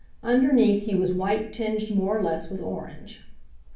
Underneath he was white tinged more or less with orange.